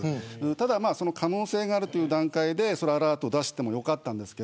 ただ、可能性があった段階でアラートを出してもよかったんですが